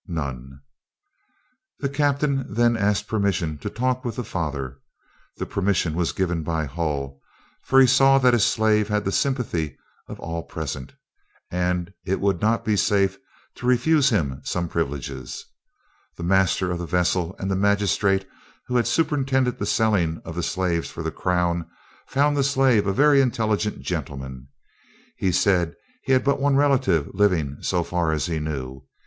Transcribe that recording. "None." The captain then asked permission to talk with the father. The permission was given by Hull, for he saw that his slave had the sympathy of all present, and it would not be safe to refuse him some privileges. The master of the vessel and the magistrate who had superintended the selling of the slaves for the crown found the slave a very intelligent gentleman. He said he had but one relative living so far as he knew.